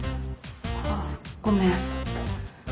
あぁごめん。